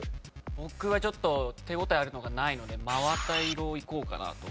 僕はちょっと手応えあるのがないので「真綿色」をいこうかなと。